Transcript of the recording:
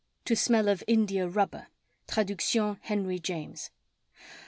('to smell of india rubber': traduction Henry James).